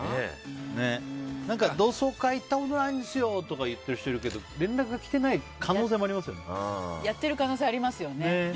何か、同窓会行ったことないんですよとか言ってる人いるけど連絡が来てない可能性がありますよね。